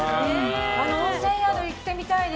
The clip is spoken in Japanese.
あの温泉宿行ってみたいね。